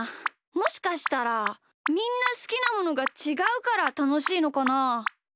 もしかしたらみんなすきなものがちがうからたのしいのかな？